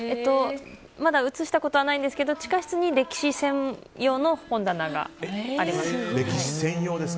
まだ映したことはないんですけど地下室に歴史専用の本棚があります。